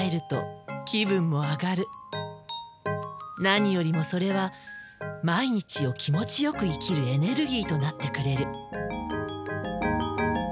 何よりもそれは毎日を気持ちよく生きるエネルギーとなってくれる。